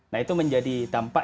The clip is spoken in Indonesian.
nah itu menjadi dampak